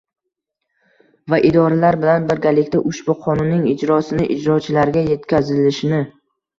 va idoralar bilan birgalikda ushbu Qonunning ijrosini, ijrochilarga yetkazilishini